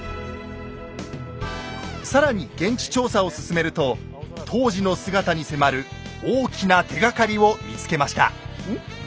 更に現地調査を進めると当時の姿に迫る大きな手がかりを見つけました。